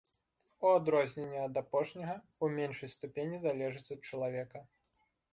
У адрозненне ад апошняга, у меншай ступені залежыць ад чалавека.